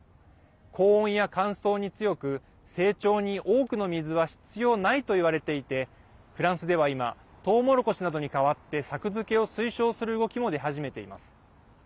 高温や乾燥に強く成長に多くの水は必要ないといわれていてフランスでは今トウモロコシなどに代わって作付けを推奨する動きも出始めています。